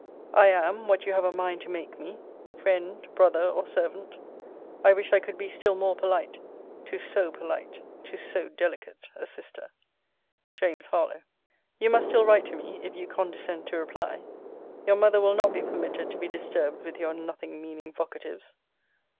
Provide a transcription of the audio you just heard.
I am, what you have a mind to make me, friend, brother, or servant I wish I could be still more polite, to so polite, to so delicate, a sister. JA. HARLOWE. You must still write to me, if you condescend to reply. Your mother will not be permitted to be disturbed with your nothing meaning vocatives!